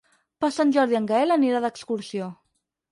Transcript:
Per Sant Jordi en Gaël anirà d'excursió.